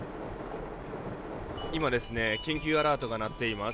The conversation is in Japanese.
今、緊急アラートが鳴っています。